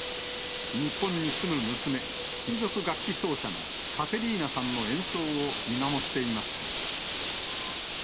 日本に住む娘、民族楽器奏者のカテリーナさんの演奏を見守っていました。